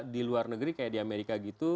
di luar negeri kayak di amerika gitu